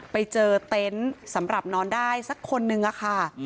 ไปเจอเต็นต์สำหรับนอนได้สักคนนึงอะค่ะ